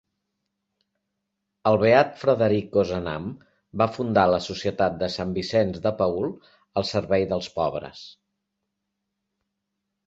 El beat Frederic Ozanam va fundar la Societat de St. Vicenç de Paül al servei dels pobres.